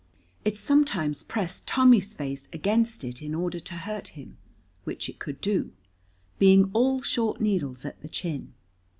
It sometimes pressed Tommy's face against it in order to hurt him, which it could do, being all short needles at the chin.